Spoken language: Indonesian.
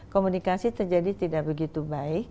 komunikasi terjadi tidak begitu baik